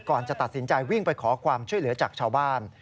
ก่อนจะตัดสินใจวิ่งไปขอความช่วยเหลือจากชาวบ้าน